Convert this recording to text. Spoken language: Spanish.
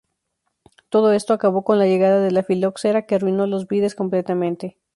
Todo esto acabó con la llegada de la filoxera, que arruinó las vides completamente.